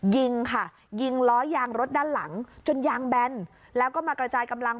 ยิงค่ะยิงล้อยางรถด้านหลังจนยางแบนแล้วก็มากระจายกำลัง